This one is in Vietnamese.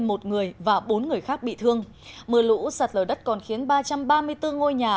mưa lũ sạt lở đất còn khiến ba trăm ba mươi bốn ngôi nhà